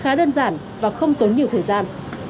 khá đơn giản và không tốn nhiều thời gian